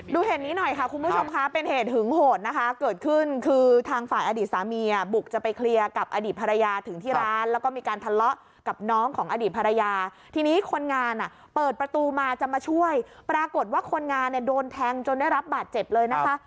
เหตุนี้หน่อยค่ะคุณผู้ชมค่ะเป็นเหตุหึงโหดนะคะเกิดขึ้นคือทางฝ่ายอดีตสามีบุกจะไปเคลียร์กับอดีตภรรยาถึงที่ร้านแล้วก็มีการทะเลาะกับน้องของอดีตภรรยาทีนี้คนงานอ่ะเปิดประตูมาจะมาช่วยปรากฏว่าคนงานเนี่ยโดนแทงจนได้รับบาดเจ็บเลยนะคะ